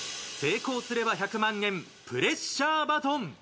成功すれば１００万円プレッシャーバトン。